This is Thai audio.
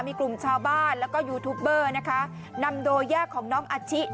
มีกลุ่มชาวบ้านแล้วก็ยูทูปเบอร์นะคะนำโดยญาติของน้องอาชิ